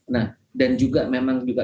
nah dan juga memang juga